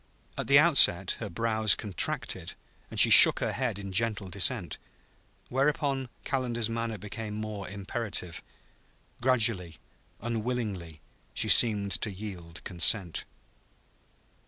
At the outset her brows contracted and she shook her head in gentle dissent; whereupon Calendar's manner became more imperative. Gradually, unwillingly, she seemed to yield consent.